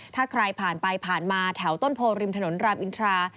ถ้าใครผ่านไปผ่านมาแถวต้นโพริมถนนรามอินทรา